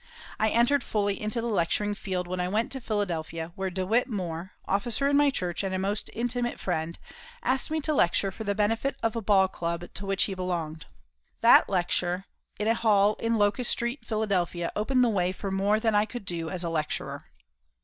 I entered fully into the lecturing field when I went to Philadelphia, where DeWitt Moore, officer in my church and a most intimate friend, asked me to lecture for the benefit of a Ball Club to which he belonged. That lecture in a hall in Locust Street, Philadelphia, opened the way for more than I could do as lecturer.